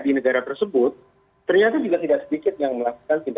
di negara tersebut ternyata juga tidak sedikit yang melakukan tindakan kriminal